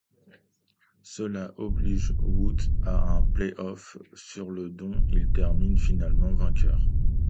Cela oblige Woods à un play-off sur le dont il termine finalement vainqueur.